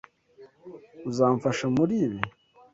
Uzamfasha muri ibi?